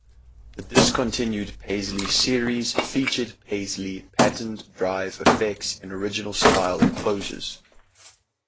The discontinued Paisley series featured paisley-patterned drive effects in original style enclosures.